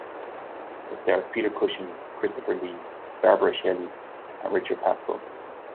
It stars Peter Cushing, Christopher Lee, Barbara Shelley and Richard Pasco.